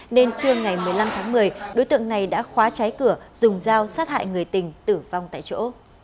nên trưa ngày một mươi năm tháng một mươi đối tượng này đã khóa trái cửa dùng dao sát hại người tình tử vong tại chỗ